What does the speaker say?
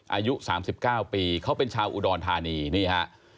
อายุสามสิบเก้าปีเขาเป็นชาวอุดรธานีนี่ฮะ